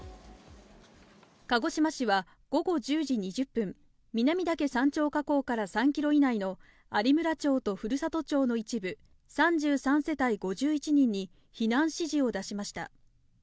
鹿児島市は午後１０時２０分、南岳山頂火口から３キロ以内の有村町と古里町の一部、３３世帯５１人に、避難指示を出しました。